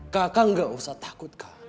kakak gak usah takut kak